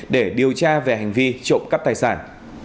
để điều tra về hành vi trộm cắp tài sản